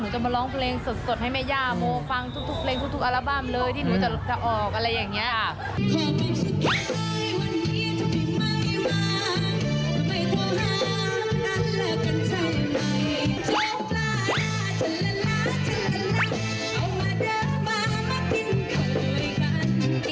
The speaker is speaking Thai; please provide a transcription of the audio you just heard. จะมาร้องเพลงสดให้แม่ย่าโมฟังทุกเพลงทุกอัลบั้มเลยที่หนูจะออกอะไรอย่างนี้ค่ะ